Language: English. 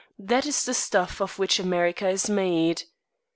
That is the stuff of which America is made."